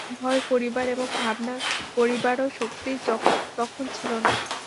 ভয় করিবার এবং ভাবনা করিবারও শক্তি তখন ছিল না।